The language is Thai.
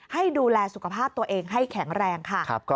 ให้ดูแลสุขภาพตัวเองให้แข็งแรงค่ะ